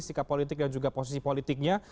sikap politik dan juga posisi politiknya